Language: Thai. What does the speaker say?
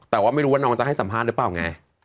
แต่ว่าไม่รู้ว่าน้องจะให้สัมภาษณ์หรือเปล่าไง